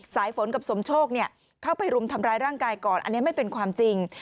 สายฝนกับสมโชคเข้าไปรุมทำร้ายร่างกายก่อนอันนี้ไม่เป็นความจริง